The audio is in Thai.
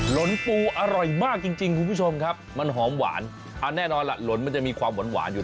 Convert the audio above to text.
หลนปูอร่อยมากจริงคุณผู้ชมครับมันหอมหวานอ่าแน่นอนล่ะหลนมันจะมีความหวานอยู่